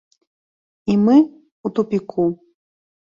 І мы ў тупіку.